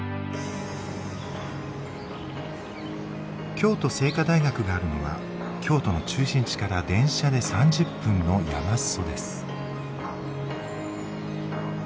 京都精華大学があるのは京都の中心地から電車で３０分の山裾です。